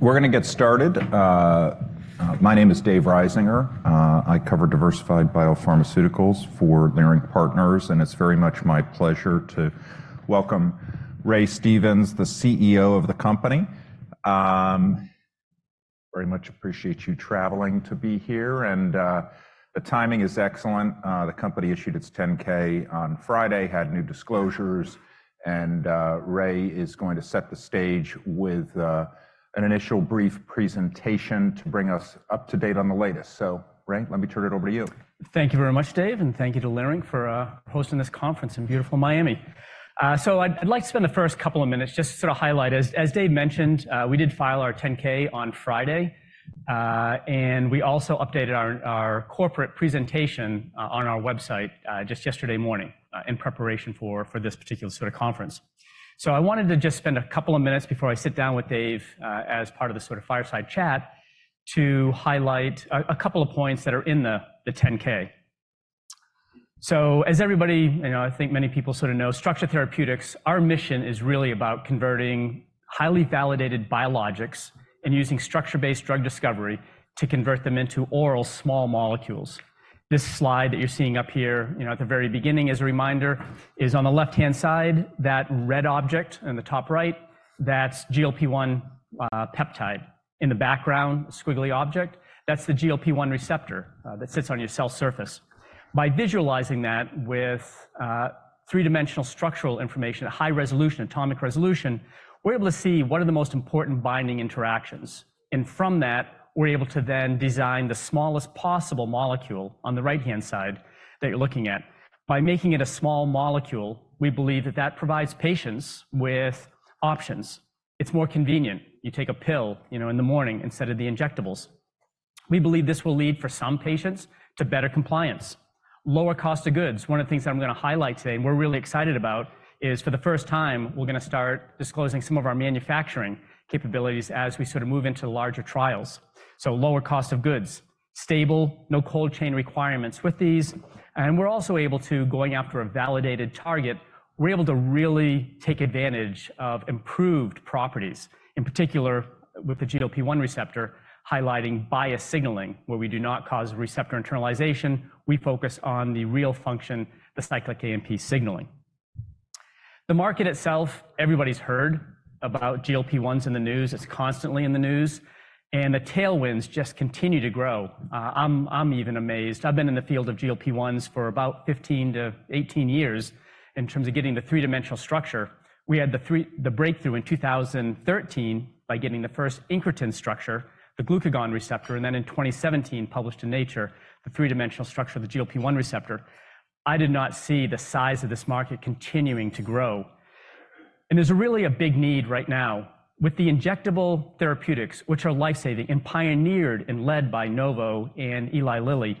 We're gonna get started. My name is David Risinger. I cover diversified biopharmaceuticals for Leerink Partners, and it's very much my pleasure to welcome Ray Stevens, the CEO of the company. Very much appreciate you traveling to be here, and the timing is excellent. The company issued its 10-K on Friday, had new disclosures, and Ray is going to set the stage with an initial brief presentation to bring us up to date on the latest. So Ray, let me turn it over to you. Thank you very much, Dave, and thank you to Leerink for hosting this conference in beautiful Miami. So I'd like to spend the first couple of minutes just to sort of highlight. As Dave mentioned, we did file our 10-K on Friday, and we also updated our corporate presentation on our website just yesterday morning, in preparation for this particular sort of conference. So I wanted to just spend a couple of minutes before I sit down with Dave, as part of the sort of fireside chat, to highlight a couple of points that are in the 10-K. So as everybody, you know, I think many people sort of know Structure Therapeutics, our mission is really about converting highly validated biologics and using structure-based drug discovery to convert them into oral small molecules. This slide that you're seeing up here, you know, at the very beginning, as a reminder, is on the left-hand side, that red object in the top right, that's GLP-1 peptide. In the background, squiggly object, that's the GLP-1 receptor that sits on your cell surface. By visualizing that with three-dimensional structural information at high resolution, atomic resolution, we're able to see what are the most important binding interactions. From that, we're able to then design the smallest possible molecule on the right-hand side that you're looking at. By making it a small molecule, we believe that that provides patients with options. It's more convenient. You take a pill, you know, in the morning instead of the injectables. We believe this will lead, for some patients, to better compliance, lower cost of goods. One of the things that I'm gonna highlight today and we're really excited about is for the first time, we're gonna start disclosing some of our manufacturing capabilities as we sort of move into larger trials. So lower cost of goods. Stable, no cold chain requirements with these, and we're also able to, going after a validated target, we're able to really take advantage of improved properties, in particular with the GLP-1 receptor, highlighting biased signaling, where we do not cause receptor internalization, we focus on the real function, the cyclic AMP signaling. The market itself, everybody's heard about GLP-1s in the news. It's constantly in the news, and the tailwinds just continue to grow. I'm even amazed. I've been in the field of GLP-1s for about 15-18 years in terms of getting the three-dimensional structure. We had the breakthrough in 2013 by getting the first incretin structure, the glucagon receptor, and then in 2017, published in Nature, the three-dimensional structure of the GLP-1 receptor. I did not see the size of this market continuing to grow. There's really a big need right now. With the injectable therapeutics, which are life-saving and pioneered and led by Novo and Eli Lilly,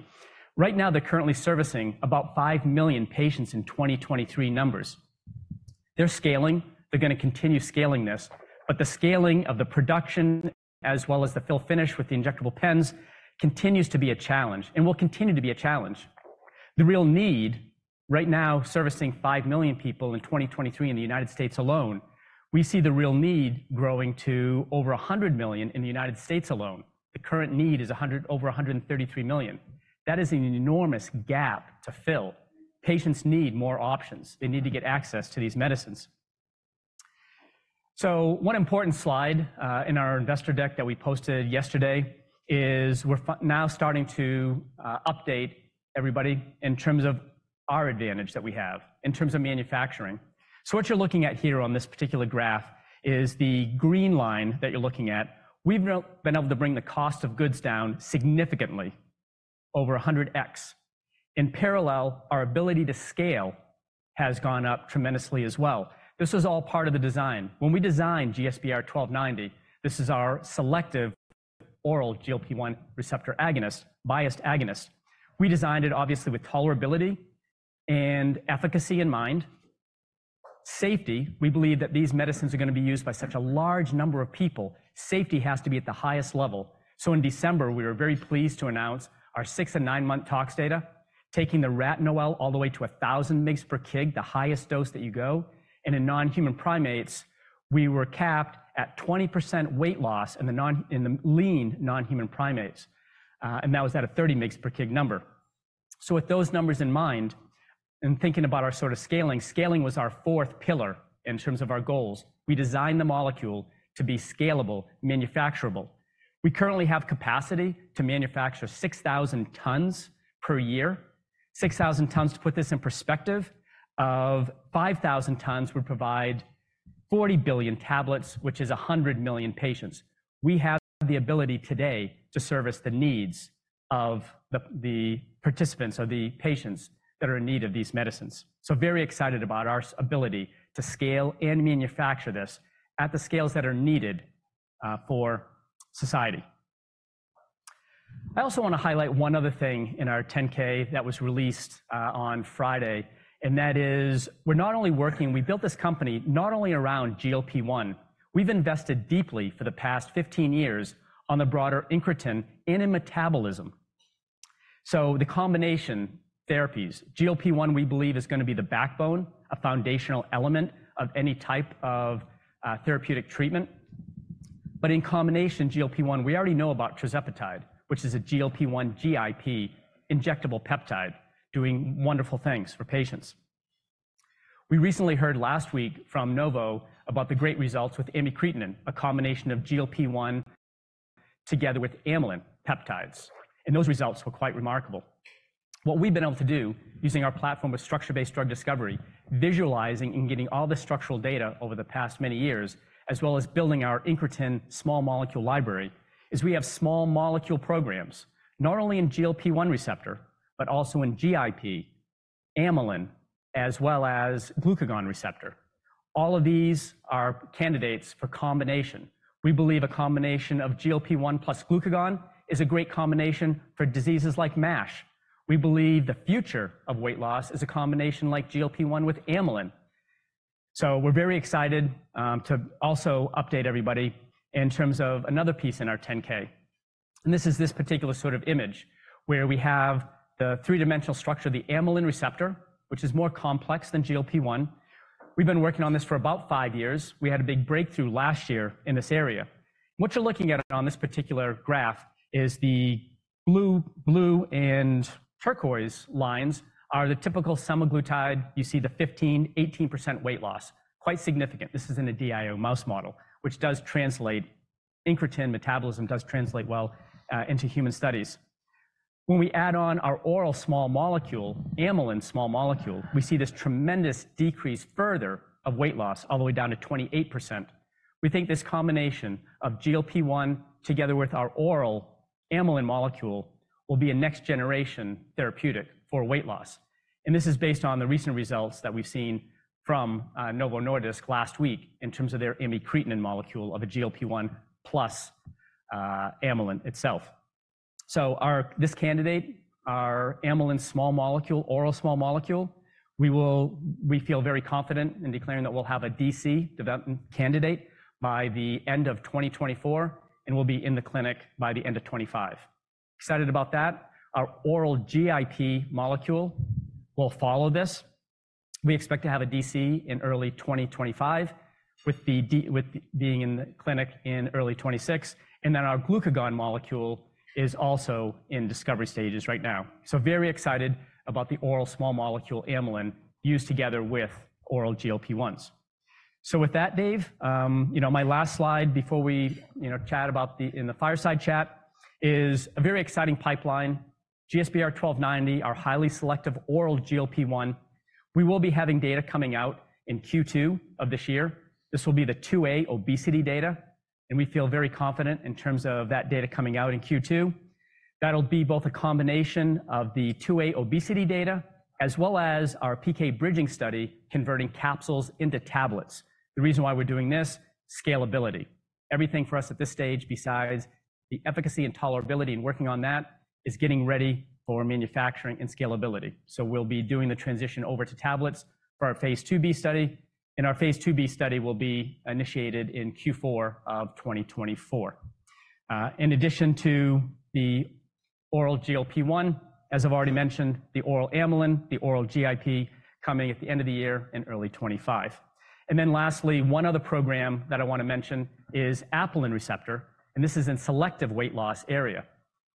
right now, they're currently servicing about 5 million patients in 2023 numbers. They're scaling, they're gonna continue scaling this, but the scaling of the production, as well as the fill finish with the injectable pens, continues to be a challenge and will continue to be a challenge. The real need right now, servicing 5 million people in 2023 in the United States alone, we see the real need growing to over 100 million in the United States alone. The current need is over 133 million. That is an enormous gap to fill. Patients need more options. They need to get access to these medicines. So one important slide in our investor deck that we posted yesterday is we're now starting to update everybody in terms of our advantage that we have, in terms of manufacturing. So what you're looking at here on this particular graph is the green line that you're looking at. We've been able to bring the cost of goods down significantly, over 100x. In parallel, our ability to scale has gone up tremendously as well. This was all part of the design. When we designed GSBR-1290, this is our selective oral GLP-1 receptor agonist, biased agonist. We designed it obviously with tolerability and efficacy in mind. Safety, we believe that these medicines are gonna be used by such a large number of people, safety has to be at the highest level. So in December, we were very pleased to announce our 6- and 9-month tox data, taking the rat NOAEL all the way to 1000 mg/kg, the highest dose that you go. And in non-human primates, we were capped at 20% weight loss in the lean non-human primates, and that was at a 30 mg/kg number. So with those numbers in mind, and thinking about our sort of scaling, scaling was our fourth pillar in terms of our goals. We designed the molecule to be scalable, manufacturable. We currently have capacity to manufacture 6,000 tons per year. 6,000 tons, to put this in perspective, of 5,000 tons, would provide 40 billion tablets, which is 100 million patients. We have the ability today to service the needs of the participants or the patients that are in need of these medicines. So very excited about our ability to scale and manufacture this at the scales that are needed, for society. I also wanna highlight one other thing in our 10-K that was released, on Friday, and that is, we're not only working... We built this company not only around GLP-1, we've invested deeply for the past 15 years on the broader incretin in metabolism.... So the combination therapies, GLP-1, we believe, is going to be the backbone, a foundational element of any type of, therapeutic treatment. But in combination GLP-1, we already know about tirzepatide, which is a GLP-1 GIP injectable peptide, doing wonderful things for patients. We recently heard last week from Novo about the great results with amycretin, a combination of GLP-1 together with amylin peptides, and those results were quite remarkable. What we've been able to do, using our platform with structure-based drug discovery, visualizing and getting all the structural data over the past many years, as well as building our incretin small molecule library, is we have small molecule programs, not only in GLP-1 receptor, but also in GIP, amylin, as well as glucagon receptor. All of these are candidates for combination. We believe a combination of GLP-1 plus glucagon is a great combination for diseases like MASH. We believe the future of weight loss is a combination like GLP-1 with amylin. So we're very excited to also update everybody in terms of another piece in our 10-K. And this is this particular sort of image, where we have the three-dimensional structure of the amylin receptor, which is more complex than GLP-1. We've been working on this for about 5 years. We had a big breakthrough last year in this area. What you're looking at on this particular graph is the blue, blue and turquoise lines are the typical semaglutide. You see the 15-18% weight loss. Quite significant. This is in a DIO mouse model, which does translate, incretin metabolism does translate well into human studies. When we add on our oral small molecule, amylin small molecule, we see this tremendous decrease further of weight loss all the way down to 28%. We think this combination of GLP-1, together with our oral amylin molecule, will be a next-generation therapeutic for weight loss. This is based on the recent results that we've seen from Novo Nordisk last week in terms of their amycretin molecule of a GLP-1 plus amylin itself. This candidate, our amylin small molecule, oral small molecule, we will. We feel very confident in declaring that we'll have a DC, development candidate, by the end of 2024, and we'll be in the clinic by the end of 2025. Excited about that. Our oral GIP molecule will follow this. We expect to have a DC in early 2025, with the DC being in the clinic in early 2026, and then our glucagon molecule is also in discovery stages right now. So very excited about the oral small molecule amylin used together with oral GLP-1s. So with that, Dave, you know, my last slide before we, you know, chat about the, in the fireside chat, is a very exciting pipeline. GSBR-1290, our highly selective oral GLP-1. We will be having data coming out in Q2 of this year. This will be the 2A obesity data, and we feel very confident in terms of that data coming out in Q2. That'll be both a combination of the 2A obesity data, as well as our PK bridging study, converting capsules into tablets. The reason why we're doing this, scalability. Everything for us at this stage, besides the efficacy and tolerability and working on that, is getting ready for manufacturing and scalability. So we'll be doing the transition over to tablets for our phase II-B study, and phase II-B study will be initiated in Q4 of 2024. In addition to the oral GLP-1, as I've already mentioned, the oral amylin, the oral GIP coming at the end of the year in early 2025. And then lastly, one other program that I want to mention is apelin receptor, and this is in selective weight loss area.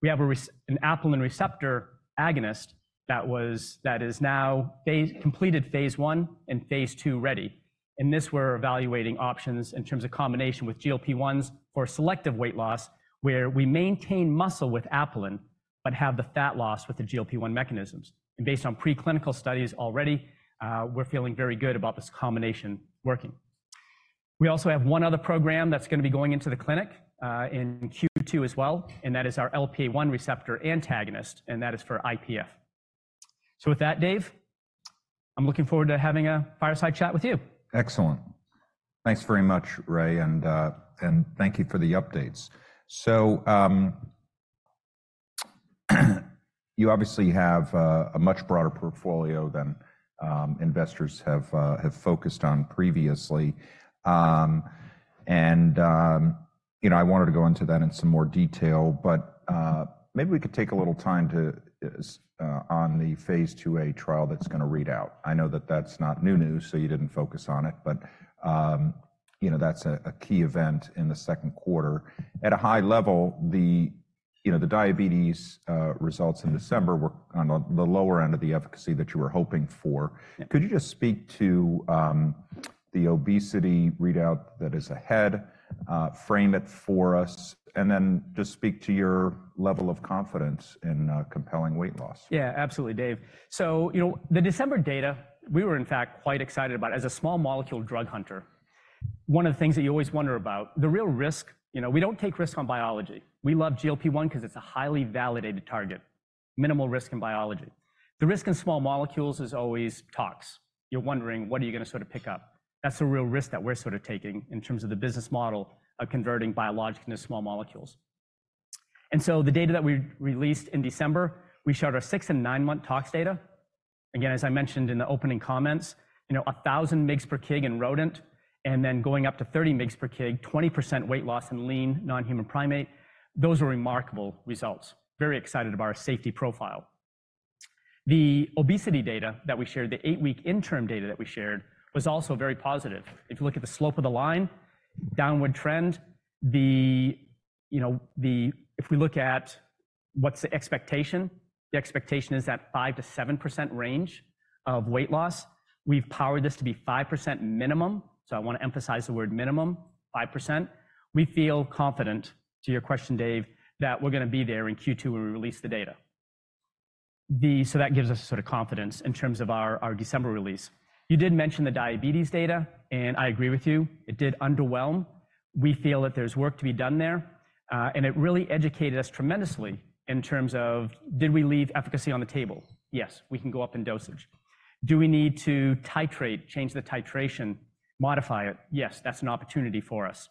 We have an apelin receptor agonist that was, that is now phase completed phase I and phase II ready. In this, we're evaluating options in terms of combination with GLP-1s for selective weight loss, where we maintain muscle with apelin, but have the fat loss with the GLP-1 mechanisms. And based on preclinical studies already, we're feeling very good about this combination working. We also have one other program that's going to be going into the clinic in Q2 as well, and that is our LPA-1 receptor antagonist, and that is for IPF. So with that, Dave, I'm looking forward to having a fireside chat with you. Excellent. Thanks very much, Ray, and thank you for the updates. So, you obviously have a much broader portfolio than investors have focused on previously. You know, I wanted to go into that in some more detail, but maybe we could take a little time on phase II-A trial that's going to read out. I know that that's not new news, so you didn't focus on it, but you know, that's a key event in the second quarter. At a high level, you know, the diabetes results in December were on the lower end of the efficacy that you were hoping for. Yeah. Could you just speak to the obesity readout that is ahead, frame it for us, and then just speak to your level of confidence in compelling weight loss? Yeah, absolutely, Dave. So, you know, the December data, we were in fact quite excited about. As a small molecule drug hunter, one of the things that you always wonder about, the real risk, you know, we don't take risk on biology. We love GLP-1 because it's a highly validated target, minimal risk in biology. The risk in small molecules is always tox. You're wondering, what are you going to sort of pick up? That's the real risk that we're sort of taking in terms of the business model of converting biologic into small molecules. And so the data that we released in December, we showed our 6 and 9 month tox data. Again, as I mentioned in the opening comments, you know, 1,000 mg/kg in rodent, and then going up to 30 mg/kg, 20% weight loss in lean, non-human primate, those are remarkable results. Very excited about our safety profile. The obesity data that we shared, the eight-week interim data that we shared, was also very positive. If you look at the slope of the line, downward trend, you know, if we look at what's the expectation, the expectation is that 5%-7% range of weight loss. We've powered this to be 5% minimum, so I want to emphasize the word minimum, 5%. We feel confident, to your question, Dave, that we're going to be there in Q2 when we release the data. So that gives us sort of confidence in terms of our, our December release. You did mention the diabetes data, and I agree with you, it did underwhelm. We feel that there's work to be done there, and it really educated us tremendously in terms of, did we leave efficacy on the table? Yes, we can go up in dosage. Do we need to titrate, change the titration, modify it? Yes, that's an opportunity for us.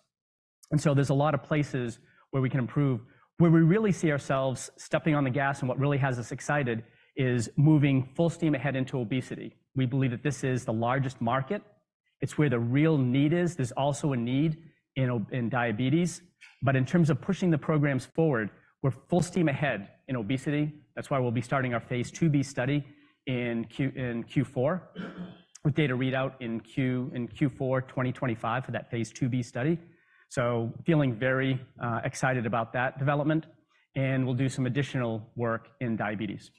So there's a lot of places where we can improve. Where we really see ourselves stepping on the gas, and what really has us excited, is moving full steam ahead into obesity. We believe that this is the largest market. It's where the real need is. There's also a need in ob-- in diabetes, but in terms of pushing the programs forward, we're full steam ahead in obesity. That's why we'll be starting our phase II-B study in Q4, with data readout in Q4 2025 for that phase II-B study. So feeling very, excited about that development, and we'll do some additional work in diabetes.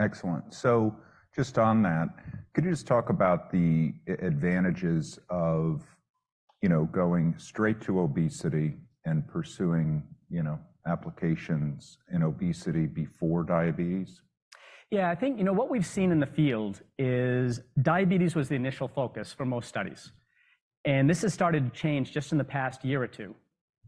Excellent. So just on that, could you just talk about the advantages of, you know, going straight to obesity and pursuing, you know, applications in obesity before diabetes? Yeah, I think, you know, what we've seen in the field is diabetes was the initial focus for most studies, and this has started to change just in the past year or two.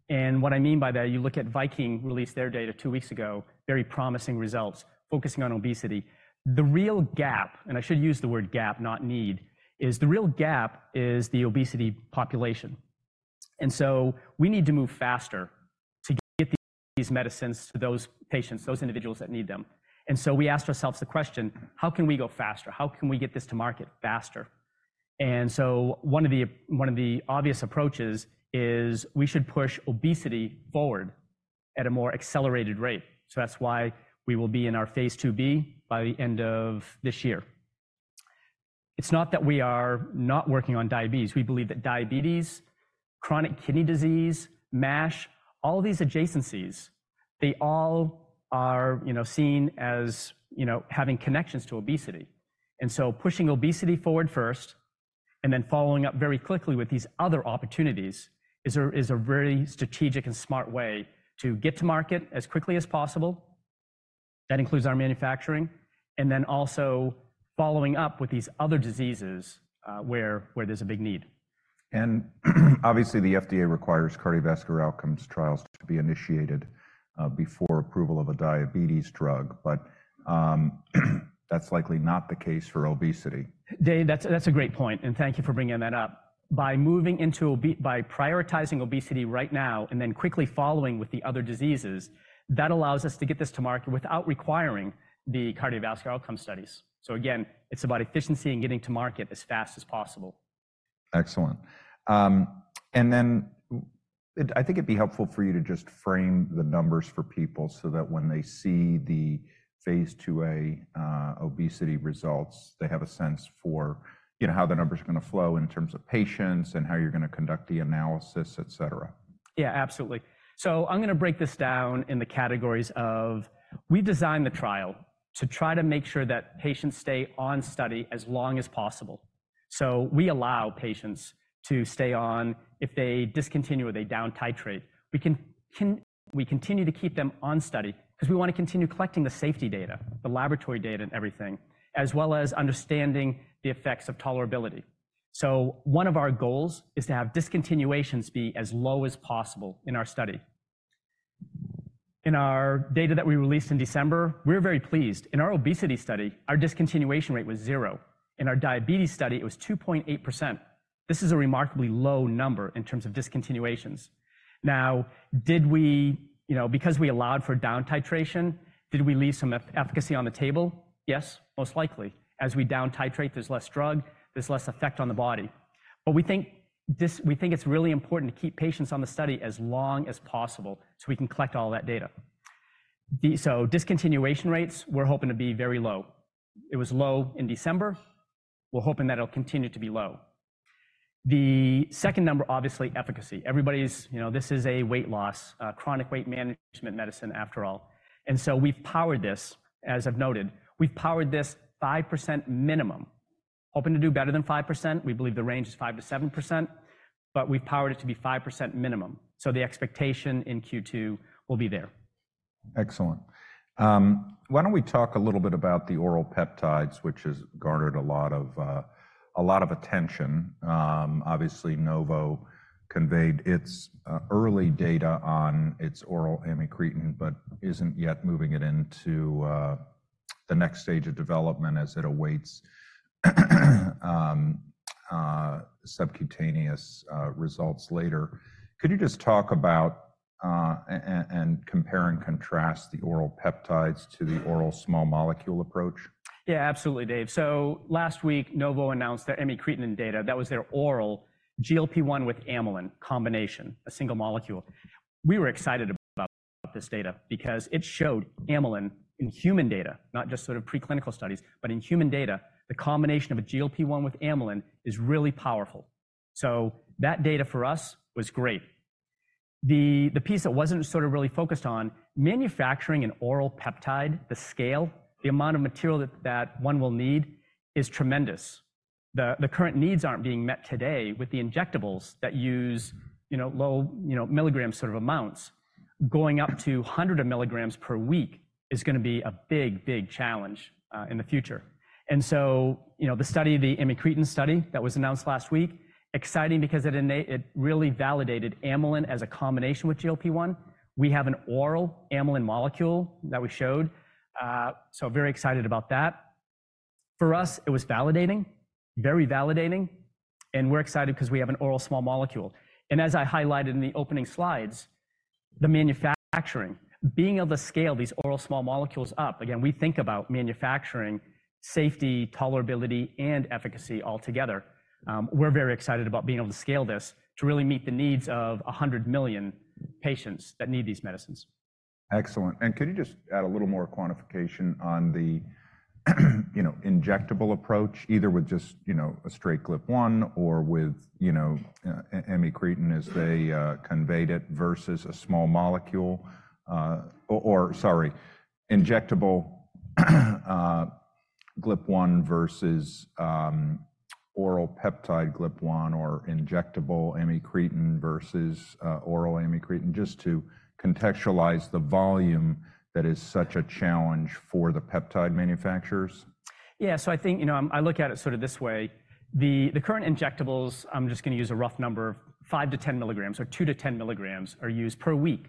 What I mean by that, you look at Viking, who released their data two weeks ago, very promising results, focusing on obesity. The real gap, and I should use the word gap, not need, is the real gap is the obesity population. We need to move faster to get these medicines to those patients, those individuals that need them. We asked ourselves the question: how can we go faster? How can we get this to market faster? One of the obvious approaches is we should push obesity forward at a more accelerated rate. So that's why we will be in our phase II-B by the end of this year. It's not that we are not working on diabetes. We believe that diabetes, chronic kidney disease, MASH, all these adjacencies, they all are, you know, seen as, you know, having connections to obesity. And so pushing obesity forward first and then following up very quickly with these other opportunities is a very strategic and smart way to get to market as quickly as possible. That includes our manufacturing, and then also following up with these other diseases, where there's a big need. And obviously, the FDA requires cardiovascular outcomes trials to be initiated before approval of a diabetes drug, but that's likely not the case for obesity. Dave, that's a great point, and thank you for bringing that up. By prioritizing obesity right now and then quickly following with the other diseases, that allows us to get this to market without requiring the cardiovascular outcome studies. So again, it's about efficiency and getting to market as fast as possible. Excellent. And then I think it'd be helpful for you to just frame the numbers for people so that when they see the phase II-A obesity results, they have a sense for, you know, how the numbers are going to flow in terms of patients and how you're going to conduct the analysis, et cetera. Yeah, absolutely. So I'm going to break this down in the categories of... We designed the trial to try to make sure that patients stay on study as long as possible. So we allow patients to stay on. If they discontinue or they down titrate, we can continue to keep them on study because we want to continue collecting the safety data, the laboratory data, and everything, as well as understanding the effects of tolerability. So one of our goals is to have discontinuations be as low as possible in our study. In our data that we released in December, we were very pleased. In our obesity study, our discontinuation rate was 0. In our diabetes study, it was 2.8%. This is a remarkably low number in terms of discontinuations. Now, did we, you know, because we allowed for down titration, did we leave some efficacy on the table? Yes, most likely. As we down titrate, there's less drug, there's less effect on the body. But we think this, we think it's really important to keep patients on the study as long as possible, so we can collect all that data. So discontinuation rates, we're hoping to be very low. It was low in December. We're hoping that it'll continue to be low. The second number, obviously, efficacy. Everybody's, you know, this is a weight loss, chronic weight management medicine, after all. And so we've powered this, as I've noted, we've powered this 5% minimum, hoping to do better than 5%. We believe the range is 5%-7%, but we've powered it to be 5% minimum, so the expectation in Q2 will be there. Excellent. Why don't we talk a little bit about the oral peptides, which has garnered a lot of, a lot of attention. Obviously, Novo conveyed its early data on its oral amycretin, but isn't yet moving it into the next stage of development as it awaits subcutaneous results later. Could you just talk about and compare and contrast the oral peptides to the oral small molecule approach? Yeah, absolutely, Dave. So last week, Novo announced their amycretin data. That was their oral GLP-1 with amylin combination, a single molecule. We were excited about this data because it showed amylin in human data, not just sort of preclinical studies, but in human data, the combination of a GLP-1 with amylin is really powerful. So that data for us was great. The piece that wasn't sort of really focused on manufacturing an oral peptide, the scale, the amount of material that one will need is tremendous. The current needs aren't being met today with the injectables that use, you know, low, you know, milligrams sort of amounts. Going up to hundreds of milligrams per week is gonna be a big, big challenge in the future. And so, you know, the study, the amycretin study that was announced last week, exciting because it really validated amylin as a combination with GLP-1. We have an oral amylin molecule that we showed, so very excited about that. For us, it was validating, very validating, and we're excited 'cause we have an oral small molecule. And as I highlighted in the opening slides, the manufacturing, being able to scale these oral small molecules up, again, we think about manufacturing, safety, tolerability, and efficacy altogether. We're very excited about being able to scale this to really meet the needs of 100 million patients that need these medicines. Excellent. And could you just add a little more quantification on the, you know, injectable approach, either with just, you know, a straight GLP-1 or with, you know, amycretin as they conveyed it, versus a small molecule? Or sorry, injectable GLP-1 versus oral peptide GLP-1, or injectable amycretin versus oral amycretin, just to contextualize the volume that is such a challenge for the peptide manufacturers. Yeah. So I think, you know, I look at it sort of this way. The current injectables, I'm just gonna use a rough number, 5 milligrams-10 milligrams or 2 milligrams-10 milligrams are used per week.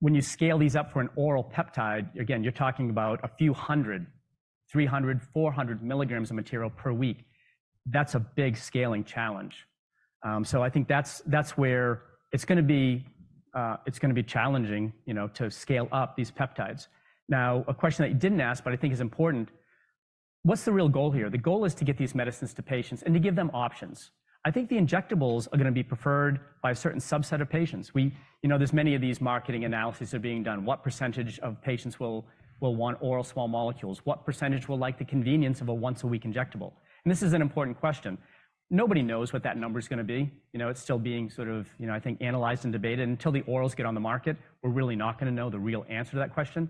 When you scale these up for an oral peptide, again, you're talking about a few hundred, 300, 400 milligrams of material per week. That's a big scaling challenge. So I think that's where it's gonna be, it's gonna be challenging, you know, to scale up these peptides. Now, a question that you didn't ask, but I think is important: What's the real goal here? The goal is to get these medicines to patients and to give them options. I think the injectables are gonna be preferred by a certain subset of patients. We... You know, there's many of these marketing analyses are being done. What percentage of patients will want oral small molecules? What percentage will like the convenience of a once-a-week injectable? And this is an important question. Nobody knows what that number is gonna be. You know, it's still being sort of, you know, I think, analyzed and debated. Until the orals get on the market, we're really not gonna know the real answer to that question.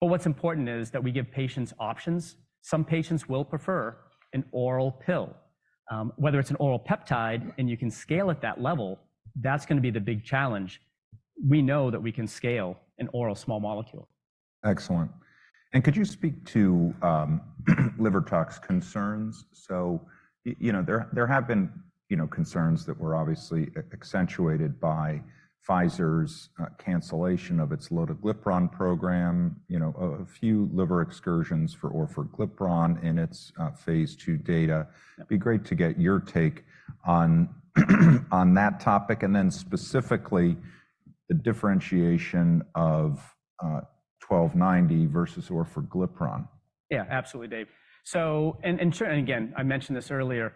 But what's important is that we give patients options. Some patients will prefer an oral pill. Whether it's an oral peptide and you can scale at that level, that's gonna be the big challenge. We know that we can scale an oral small molecule. Excellent. And could you speak to liver tox concerns? So you know, there have been, you know, concerns that were obviously accentuated by Pfizer's cancellation of its lotiglipron program, you know, a few liver excursions for orforglipron in its phase II data. Yeah. It'd be great to get your take on, on that topic, and then specifically the differentiation of 1290 versus orforglipron. Yeah, absolutely, Dave. So, sure, and again, I mentioned this earlier,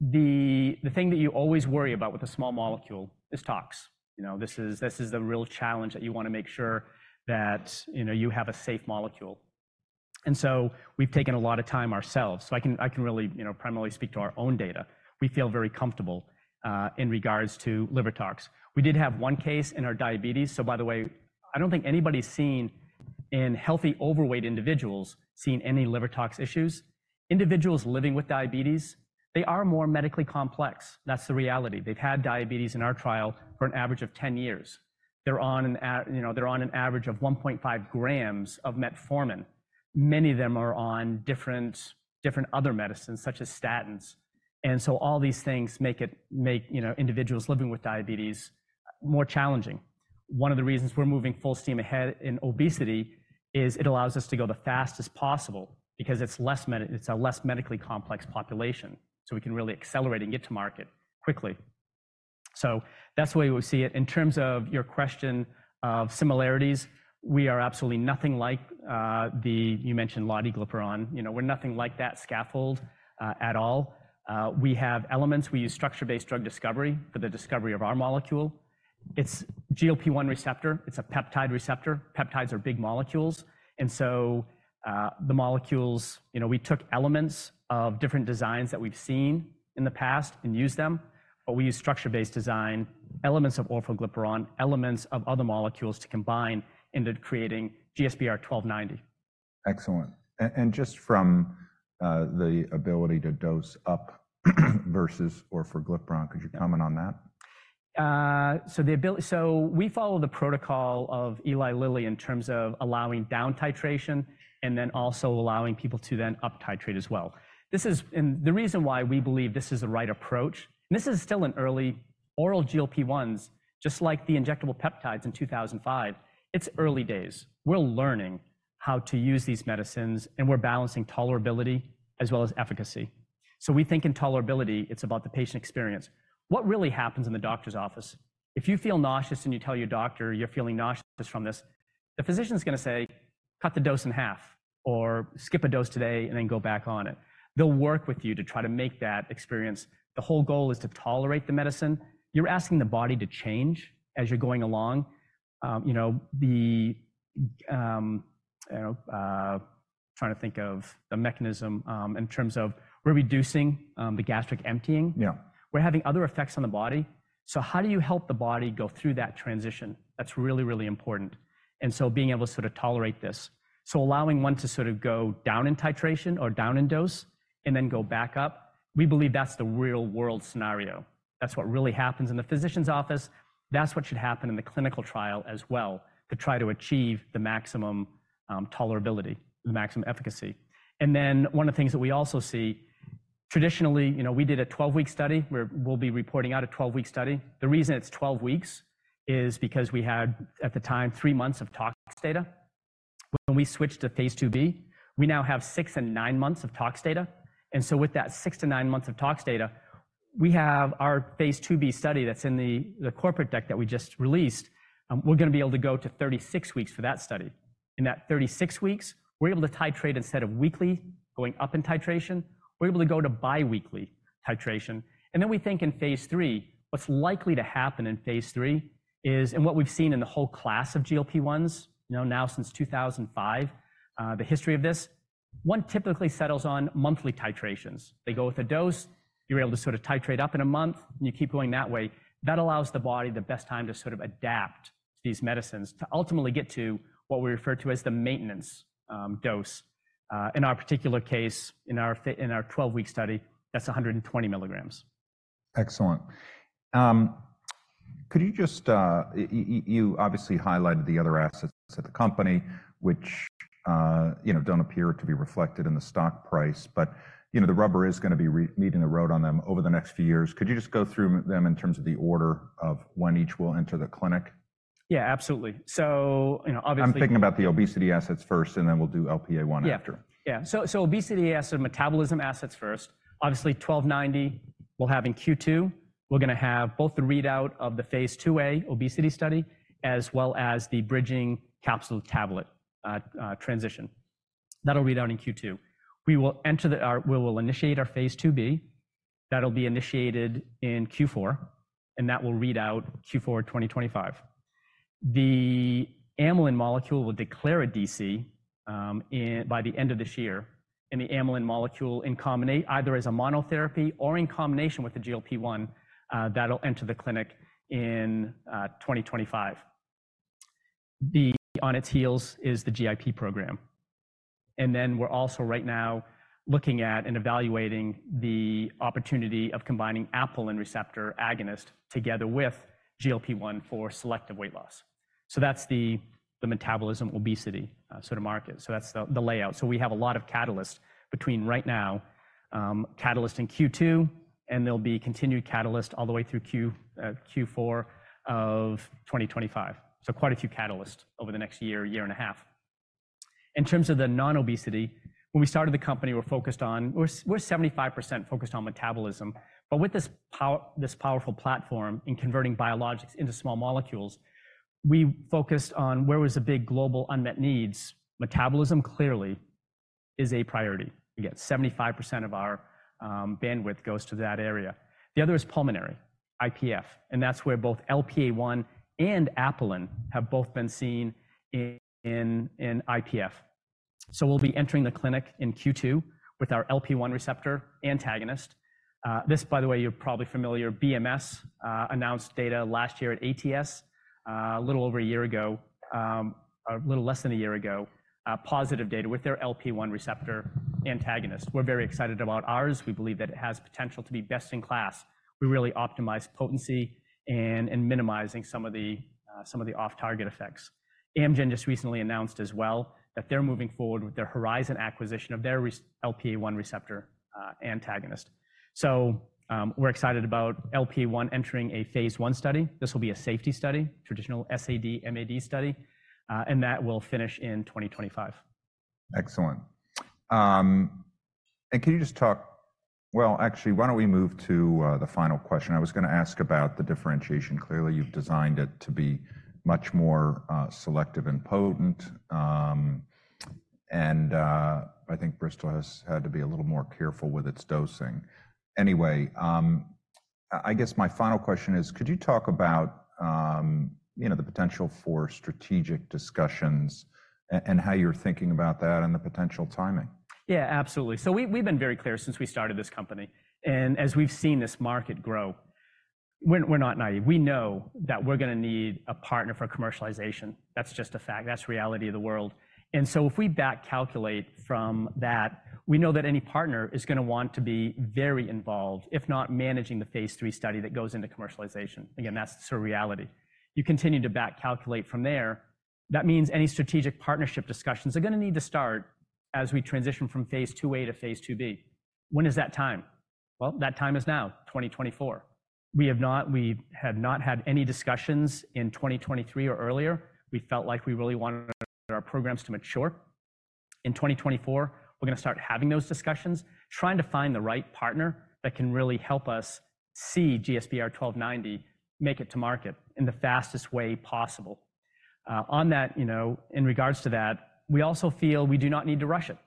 the thing that you always worry about with a small molecule is tox. You know, this is the real challenge that you wanna make sure that, you know, you have a safe molecule. And so we've taken a lot of time ourselves, so I can really, you know, primarily speak to our own data. We feel very comfortable in regards to liver tox. We did have one case in our diabetes. So by the way, I don't think anybody's seen in healthy overweight individuals any liver tox issues. Individuals living with diabetes, they are more medically complex. That's the reality. They've had diabetes in our trial for an average of 10 years. They're on, you know, an average of 1.5 grams of metformin. Many of them are on different other medicines, such as statins. And so all these things make it, you know, individuals living with diabetes more challenging. One of the reasons we're moving full steam ahead in obesity is it allows us to go the fastest possible because it's less medically complex population, so we can really accelerate and get to market quickly. So that's the way we see it. In terms of your question of similarities, we are absolutely nothing like. You mentioned lotiglipron. You know, we're nothing like that scaffold at all. We have elements. We use structure-based drug discovery for the discovery of our molecule. It's GLP-1 receptor. It's a peptide receptor. Peptides are big molecules, and so, the molecules, you know, we took elements of different designs that we've seen in the past and used them, but we used structure-based design, elements of orforglipron, elements of other molecules to combine into creating GSBR-1290. Excellent. And just from the ability to dose up versus orforglipron, could you comment on that? So we follow the protocol of Eli Lilly in terms of allowing down titration and then also allowing people to then up titrate as well. And the reason why we believe this is the right approach, and this is still oral GLP-1s, just like the injectable peptides in 2005. It's early days. We're learning how to use these medicines, and we're balancing tolerability as well as efficacy. So we think in tolerability, it's about the patient experience. What really happens in the doctor's office? If you feel nauseous and you tell your doctor you're feeling nauseous from this, the physician's gonna say, "Cut the dose in half," or, "Skip a dose today and then go back on it." They'll work with you to try to make that experience. The whole goal is to tolerate the medicine. You're asking the body to change as you're going along. You know, trying to think of the mechanism in terms of we're reducing the gastric emptying. Yeah. We're having other effects on the body. So how do you help the body go through that transition? That's really, really important, and so being able to sort of tolerate this. So allowing one to sort of go down in titration or down in dose and then go back up, we believe that's the real-world scenario. That's what really happens in the physician's office. That's what should happen in the clinical trial as well, to try to achieve the maximum tolerability, the maximum efficacy. And then one of the things that we also see, traditionally, you know, we did a 12-week study, where we'll be reporting out a 12-week study. The reason it's 12 weeks is because we had, at the time, three months of tox data. When we switched to phase II-B, we now have 6 and 9 months of tox data, and so with that 6-9 months of tox data, we have our phase II-B study that's in the corporate deck that we just released, we're gonna be able to go to 36 weeks for that study. In that 36 weeks, we're able to titrate instead of weekly, going up in titration, we're able to go to biweekly titration. And then we think in phase III, what's likely to happen in phase III is, and what we've seen in the whole class of GLP-1s, you know, now since 2005, the history of this, one typically settles on monthly titrations. They go with a dose, you're able to sort of titrate up in a month, and you keep going that way. That allows the body the best time to sort of adapt to these medicines, to ultimately get to what we refer to as the maintenance dose. In our particular case, in our 12-week study, that's 120 milligrams. Excellent. Could you just, you obviously highlighted the other assets of the company, which, you know, don't appear to be reflected in the stock price. But, you know, the rubber is gonna be meeting the road on them over the next few years. Could you just go through them in terms of the order of when each will enter the clinic? Yeah, absolutely. So, you know, obviously- I'm thinking about the obesity assets first, and then we'll do LPA-1 after. Yeah. Yeah. So, obesity assets and metabolism assets first, obviously, 1290, we'll have in Q2. We're gonna have both the readout of the phase II-A obesity study, as well as the bridging capsule tablet transition. That'll read out in Q2. We will enter the, or we will initiate our phase II-B. That'll be initiated in Q4, and that will read out Q4 2025. The amylin molecule will declare a DC by the end of this year, and the amylin molecule in combination either as a monotherapy or in combination with the GLP-1, that'll enter the clinic in 2025. Then, on its heels is the GIP program. And then we're also right now looking at and evaluating the opportunity of combining apelin receptor agonist together with GLP-1 for selective weight loss. So that's the metabolism, obesity sort of market. So that's the layout. So we have a lot of catalysts between right now, catalyst in Q2, and there'll be continued catalyst all the way through Q4 of 2025. So quite a few catalysts over the next year, year and a half. In terms of the non-obesity, when we started the company, we were focused on... We're 75% focused on metabolism, but with this powerful platform in converting biologics into small molecules, we focused on: Where was the big global unmet needs? Metabolism, clearly, is a priority. We get 75% of our bandwidth goes to that area. The other is pulmonary, IPF, and that's where both LPA-1 and apelin have both been seen in IPF. So we'll be entering the clinic in Q2 with our LPA-1 receptor antagonist. This, by the way, you're probably familiar, BMS announced data last year at ATS, a little over a year ago, a little less than a year ago, positive data with their LPA-1 receptor antagonist. We're very excited about ours. We believe that it has potential to be best in class. We really optimize potency and, and minimizing some of the, some of the off-target effects. Amgen just recently announced as well, that they're moving forward with their Horizon acquisition of their LPA-1 receptor antagonist. So, we're excited about LPA-1 entering a phase I study. This will be a safety study, traditional SAD/MAD study, and that will finish in 2025. Excellent. And can you just talk... Well, actually, why don't we move to the final question? I was gonna ask about the differentiation. Clearly, you've designed it to be much more selective and potent. And I think Bristol has had to be a little more careful with its dosing. Anyway, I guess my final question is, could you talk about you know, the potential for strategic discussions and how you're thinking about that and the potential timing? Yeah, absolutely. So we've been very clear since we started this company, and as we've seen this market grow, we're not naive. We know that we're gonna need a partner for commercialization. That's just a fact. That's the reality of the world. And so if we back calculate from that, we know that any partner is gonna want to be very involved, if not managing the phase III study that goes into commercialization. Again, that's the reality. You continue to back calculate from there, that means any strategic partnership discussions are gonna need to start as we transition phase II-A phase II-B. When is that time? Well, that time is now, 2024. We had not had any discussions in 2023 or earlier. We felt like we really wanted our programs to mature. In 2024, we're gonna start having those discussions, trying to find the right partner that can really help us see GSBR-1290 make it to market in the fastest way possible. On that, you know, in regards to that, we also feel we do not need to rush it.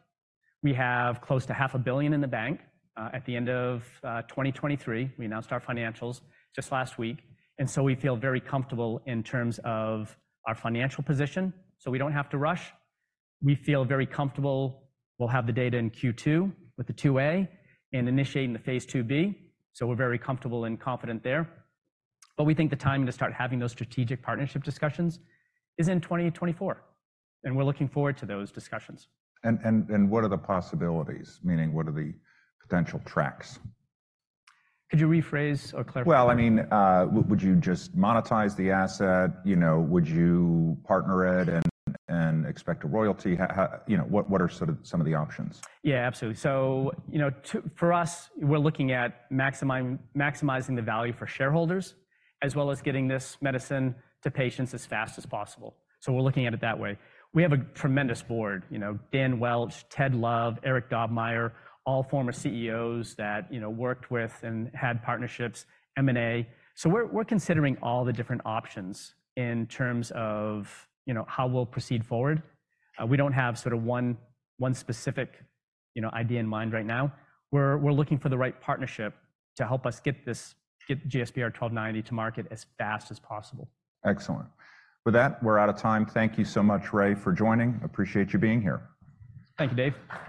We have close to $500 million in the bank, at the end of 2023. We announced our financials just last week, and so we feel very comfortable in terms of our financial position, so we don't have to rush. We feel very comfortable. We'll have the data in Q2 the phase II-A and initiating phase II-B, so we're very comfortable and confident there. But we think the timing to start having those strategic partnership discussions is in 2024, and we're looking forward to those discussions. What are the possibilities, meaning what are the potential tracks? Could you rephrase or clarify? Well, I mean, would you just monetize the asset? You know, would you partner it and expect a royalty? You know, what are sort of some of the options? Yeah, absolutely. So, you know, for us, we're looking at maximizing the value for shareholders, as well as getting this medicine to patients as fast as possible. So we're looking at it that way. We have a tremendous board, you know, Dan Welch, Ted Love, Eric Dobmeier, all former CEOs that, you know, worked with and had partnerships, M&A. So we're considering all the different options in terms of, you know, how we'll proceed forward. We don't have sort of one specific, you know, idea in mind right now. We're looking for the right partnership to help us get this, get GSBR-1290 to market as fast as possible. Excellent. With that, we're out of time. Thank you so much, Ray, for joining. Appreciate you being here. Thank you, Dave.